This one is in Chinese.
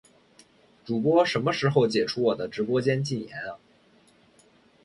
主播什么时候解除我的直播间禁言啊